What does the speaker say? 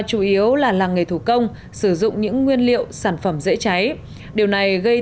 chủ yếu là làng nghề thủ công sử dụng những nguyên liệu sản phẩm dễ cháy điều này gây